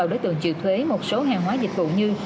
đối tượng chịu thuế một số hàng hóa dịch vụ như